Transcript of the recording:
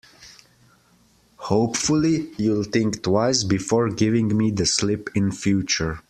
Hopefully, you'll think twice before giving me the slip in future.